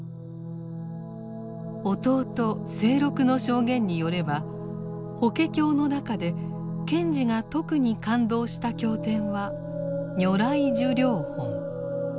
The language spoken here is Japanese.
弟清六の証言によれば法華経の中で賢治が特に感動した経典は「如来寿量品」。